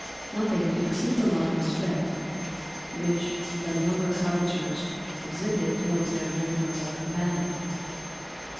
Nothing could exceed the love and respect which the younger cottagers exhibited towards their venerable companion.